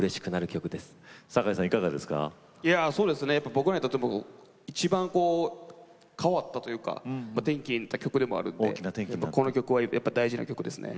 僕らにとっていちばん変わったというか転機になった曲でもあるのでこの曲はやっぱ大事な曲ですね。